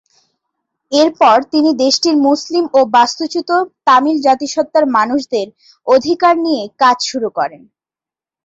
এরপর তিনি দেশটির মুসলিম ও বাস্তুচ্যুত তামিল জাতিসত্তার মানুষদের অধিকার নিয়ে কাজ শুরু করেন।